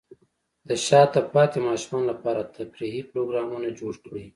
د شاته پاتې ماشومانو لپاره تفریحي پروګرامونه جوړ کړئ.